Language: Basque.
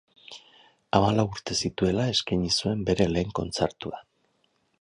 Hamalau urte zituela eskaini zuen bere lehen kontzertua.